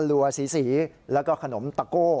รัวสีแล้วก็ขนมตะโก้